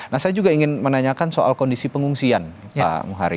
nah saya juga ingin menanyakan soal kondisi pengungsian pak muhari